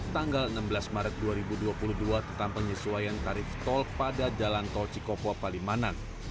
tanggal enam belas maret dua ribu dua puluh dua tentang penyesuaian tarif tol pada jalan tol cikopo palimanan